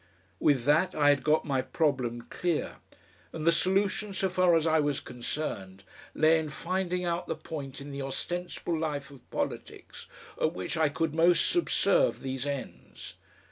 With that I had got my problem clear, and the solution, so far as I was concerned, lay in finding out the point in the ostensible life of politics at which I could most subserve these ends.